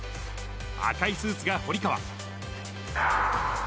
赤いスーツが堀川。